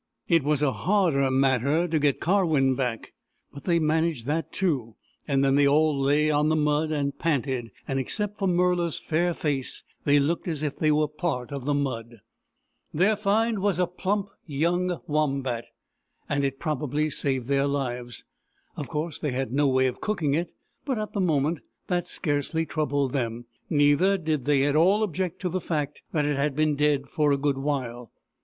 It was a harder matter to get Karwin back, but they managed that too, and then they all lay on the mud and panted, and, except for Murla's fair face, they looked as if they were part of the mud. Their find was a plump young wombat, and it 88 BOORAN, THE PELICAN probably saved their lives. Of course they had no way of cooking it, but at the moment that scarcely troubled them ; neither did they at all object to the fact that it had been dead for a good while.